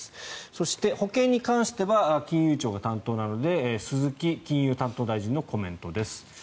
そして、保険に関しては金融庁が担当なので鈴木金融担当大臣のコメントです。